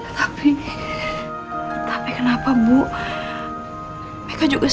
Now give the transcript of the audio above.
tapi kamu melebihi anak kandung ibu nak